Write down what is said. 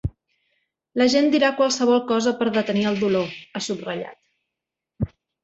La gent dirà qualsevol cosa per detenir el dolor, ha subratllat.